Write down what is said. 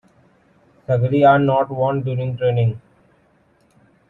"Sagari" are not worn during training.